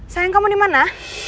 sayang kamu dimana